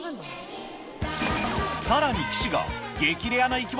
さらに岸がいた！